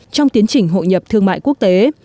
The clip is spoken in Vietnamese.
trong tiến trình hội nhập thương mại quốc tế